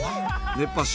熱波師。